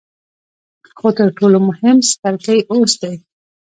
خو تر ټولو مهم څپرکی اوس دی.